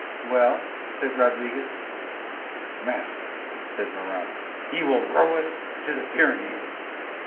"Well?" said Rodriguez. "Master," said Morano, "he will row us to the Pyrenees."